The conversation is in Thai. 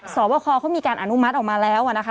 สอบคอเขามีการอนุมัติออกมาแล้วนะคะ